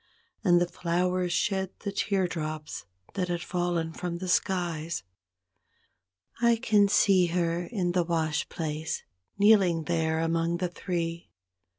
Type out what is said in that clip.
And the flowers shed the teardrops that had fallen from the skies; I can see her in the wash place, kneeling there among the three.